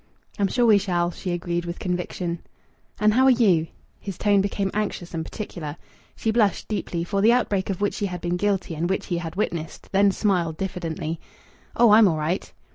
"I'm sure we shall," she agreed with conviction. "And how are you?" His tone became anxious and particular. She blushed deeply, for the outbreak of which she had been guilty and which he had witnessed, then smiled diffidently. "Oh, I'm all right."